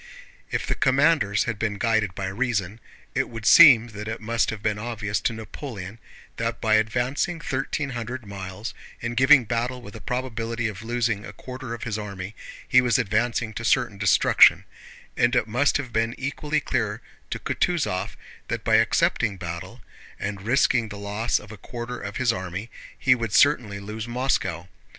If the commanders had been guided by reason, it would seem that it must have been obvious to Napoleon that by advancing thirteen hundred miles and giving battle with a probability of losing a quarter of his army, he was advancing to certain destruction, and it must have been equally clear to Kutúzov that by accepting battle and risking the loss of a quarter of his army he would certainly lose Moscow.